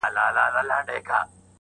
د یو مظلوم افغان وینه تویه شوه